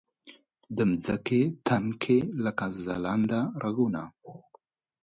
د مځکې تن کې لکه ځلنده رګونه